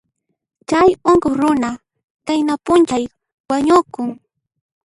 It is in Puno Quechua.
Chay unquq runa qayna p'unchay wañukun.